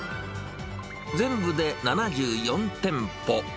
全部で７４店舗。